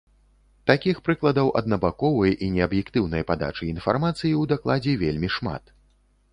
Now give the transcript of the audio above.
Такіх прыкладаў аднабаковай і неаб'ектыўнай падачы інфармацыі ў дакладзе вельмі шмат.